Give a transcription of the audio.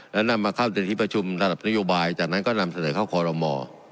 แล้วนำมาเข้าในที่ประชุมระดับนโยบายจากนั้นก็นำเสนอเข้าคอรมอ